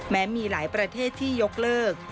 แม้มีหลายประเทศที่ยกเลิก